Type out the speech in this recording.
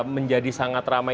menjadi sangat ramai